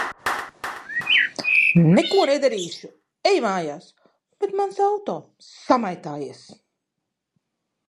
-Neko nedarīšu. Ej mājās. -Bet mans auto? -Samaitājies.